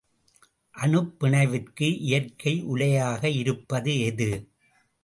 அனுப்பிணைவிற்கு இயற்கை உலையாக இருப்பது எது?